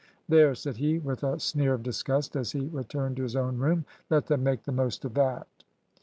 "There!" said he, with a sneer of disgust, as he returned to his own room, "let them make the most of that."